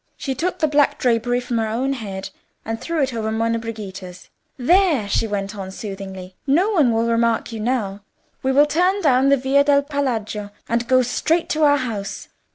She took the black drapery from her own head, and threw it over Monna Brigida's. "There," she went on soothingly, "no one will remark you now. We will turn down the Via del Palagio and go straight to our house."